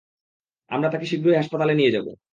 আমরা তাকে শীঘ্রই হাসপাতালে নিয়ে যাবো।